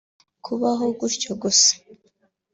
Kubaho gutyo gusa